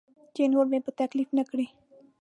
چې نور مې په تکلیف نه کړي.